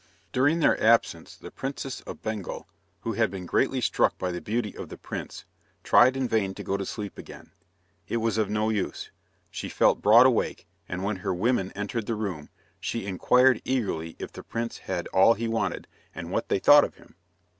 During their absence the Princess of Bengal, who had been greatly struck by the beauty of the prince, tried in vain to go to sleep again. It was of no use: she felt broad awake, and when her women entered the room, she inquired eagerly if the prince had all he wanted, and what they thought of him.